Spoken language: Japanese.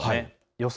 予想